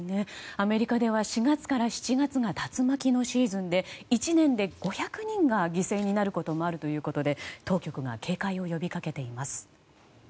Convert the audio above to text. アメリカでは４月から７月が竜巻のシーズンで１年で５００人が犠牲になることもあるということで当局が警戒を呼びかけています。